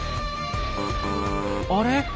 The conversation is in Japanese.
あれ？